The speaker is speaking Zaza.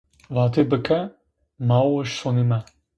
Vati bi ke, “mao sonime”.